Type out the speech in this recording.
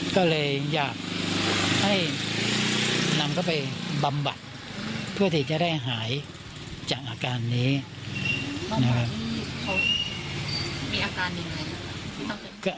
ก็เลยอยากให้นำเขาไปบำบัดเพื่อที่จะได้หายจากอาการนี้นะฮะ